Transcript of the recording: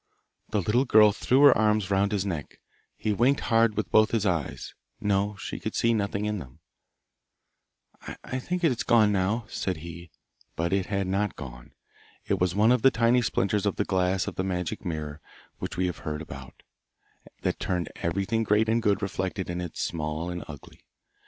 The little girl threw her arms round his neck; he winked hard with both his eyes; no, she could see nothing in them. 'I think it is gone now,' said he; but it had not gone. It was one of the tiny splinters of the glass of the magic mirror which we have heard about, that turned everything great and good reflected in it small and ugly.